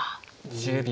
１０秒。